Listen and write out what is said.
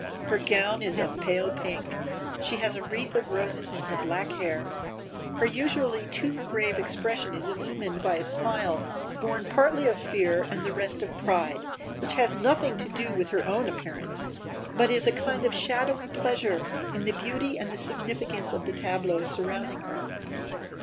Her gown is of pale pink, she has a wreath of roses in her black hair, her usually too grave expression is illumined by a smile born partly of fear and the rest of pride, which has nothing to do with her own appearance, but is a kind of shadowy pleasure in the beauty and the significance of the tableau surrounding her.